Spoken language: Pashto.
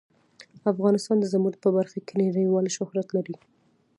افغانستان د زمرد په برخه کې نړیوال شهرت لري.